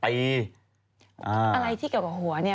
อะไรที่เกี่ยวกับหัวเนี่ย